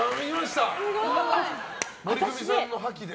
モリクミさんの覇気で。